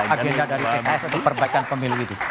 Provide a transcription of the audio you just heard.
agenda dari pks untuk perbaikan pemilu itu